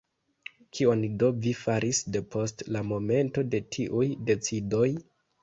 Kion do vi faris depost la momento de tiuj decidoj?